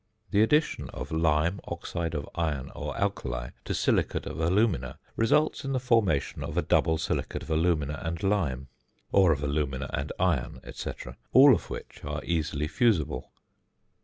The addition of lime, oxide of iron, or alkali to silicate of alumina results in the formation of a double silicate of alumina and lime, or of alumina and iron, &c., all of which are easily fusible.